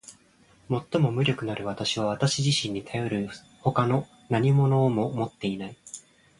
最も無力なる私は私自身にたよる外の何物をも持っていない。